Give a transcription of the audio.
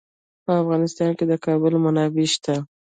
په افغانستان کې د کابل منابع شته.